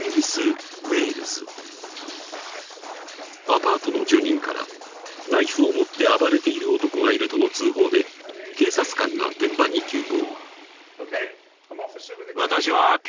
［アパートの住人からナイフを持って暴れている男がいるとの通報で警察官が現場に急行］